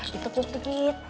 kita tutup sedikit